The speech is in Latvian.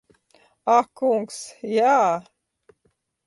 Ak kungs, jā!